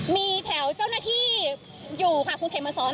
มีแถวเจ้าหน้าที่อยู่ค่ะคุณเขมมาสอน